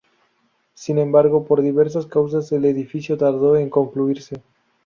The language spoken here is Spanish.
Sin embargo, por diversas causas el edificio tardó en concluirse.